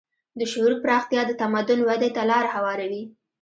د شعور پراختیا د تمدن ودې ته لاره هواروي.